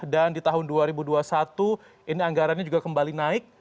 dan di tahun dua ribu dua puluh satu ini anggarannya juga kembali naik